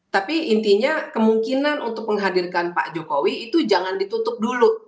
tapi intinya kemungkinan untuk menghadirkan pak jokowi itu jangan ditutup dulu